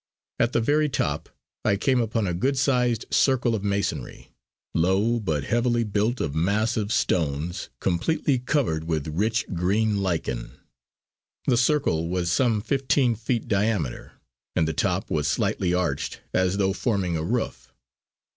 At the very top I came upon a good sized circle of masonry, low but heavily built of massive stones completely covered with rich green lichen. The circle was some fifteen feet diameter, and the top was slightly arched as though forming a roof.